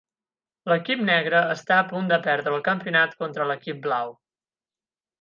L'equip negre està a punt de perdre el campionat contra l'equip blau.